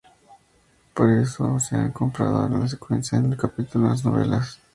Por esto se ha comparado la secuencia con el capítulo en las novelas.